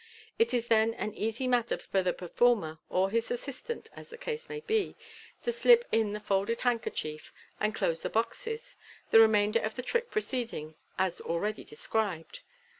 It is then an easy matter for the performer or his assistant (as the case may be) to slip in the folded handkerchief, and close the boxes, the remainder of the trick proceeding as already described.